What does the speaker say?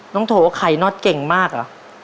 โถไข่น็อตเก่งมากเหรอ